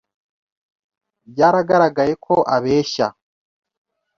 Byaragaragaye ko abeshya.